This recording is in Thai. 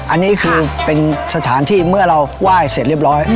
อันนี้คือเป็นสถานที่เมื่อเราไหว้เสร็จเรียบร้อย